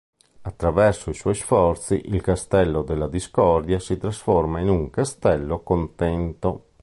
Attraverso i suoi sforzi, il "castello della discordia" si trasforma in un "castello contento".